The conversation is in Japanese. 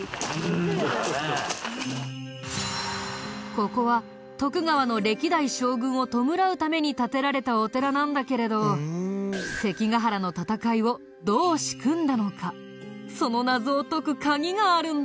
ここは徳川の歴代将軍を弔うために建てられたお寺なんだけれど関ヶ原の戦いをどう仕組んだのかその謎を解く鍵があるんだ。